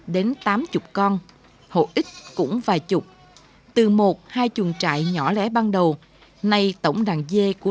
đến tám mươi con hộ ít cũng vài chục từ một hai chuồng trại nhỏ lẻ ban đầu nay tổng đàn dê của